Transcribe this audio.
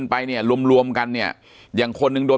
ปากกับภาคภูมิ